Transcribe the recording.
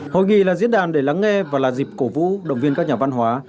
hội nghị là diễn đàn để lắng nghe và là dịp cổ vũ động viên các nhà văn hóa